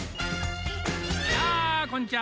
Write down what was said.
やあこんにちは！